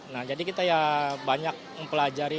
nah jadi kita ya banyak mempelajari